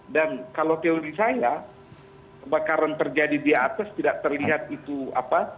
dan kalau teori saya kebakaran terjadi di atas tidak terlihat itu apa